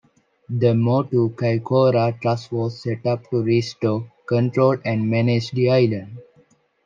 The Motu Kaikoura Trust was set up to restore, control and manage the island.